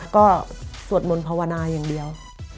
ก็สวดมนต์ภาวนาอย่างเดียว